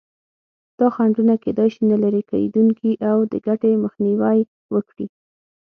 دا خنډونه کېدای شي نه لرې کېدونکي او د ګټې مخنیوی وکړي.